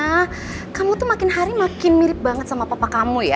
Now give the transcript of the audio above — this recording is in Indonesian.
karena kamu tuh makin hari makin mirip banget sama papa kamu ya